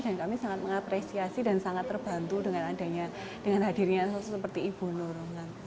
dan kami sangat mengapresiasi dan sangat terbantu dengan hadirnya seperti ibu nur